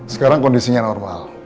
sekarang kondisinya normal